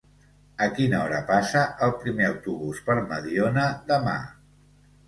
A quina hora passa el primer autobús per Mediona demà?